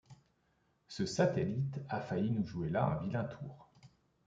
Ce satellite a failli nous jouer là un vilain tour!